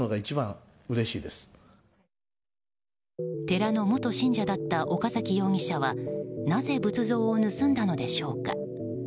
寺の元信者だった岡崎容疑者はなぜ仏像を盗んだのでしょうか。